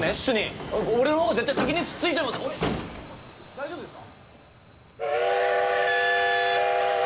大丈夫ですか？